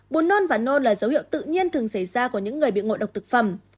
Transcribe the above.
bột nôn và nôn là dấu hiệu tự nhiên thường xảy ra của những người bị ngộ độc thực phẩm